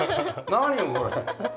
何よこれ。